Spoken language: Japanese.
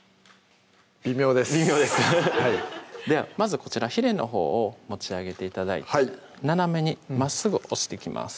微妙です微妙ですかハハッではまずこちらひれのほうを持ち上げて頂いて斜めにまっすぐ押していきます